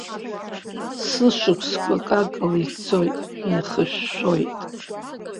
Сышықәсқәа акакала ицоит, еихышәшәоит.